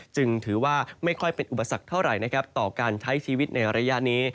จึงถือว่าไม่ค่อยเป็นอุปสรรคเท่าไหร่นะครับต่อการใช้ชีวิตในระยะนี้